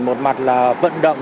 một mặt là vận động